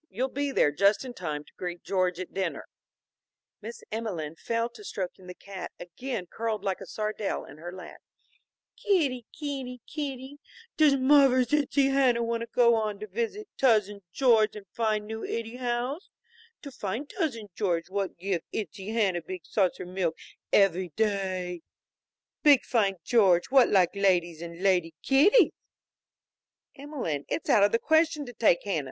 You'll be there just in time to greet George at dinner." Miss Emelene fell to stroking the cat, again curled like a sardelle in her lap. "Kitti kitti kitti , does muvver's ittsie Hanna want to go on visit to Tousin George in fine new ittie house? To fine Tousin Georgie what give ittsie Hanna big saucer milk evvy day? Big fine George what like ladies and lady kitties!" "Emelene, it's out of the question to take Hanna.